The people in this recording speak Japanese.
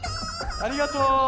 ありがとう！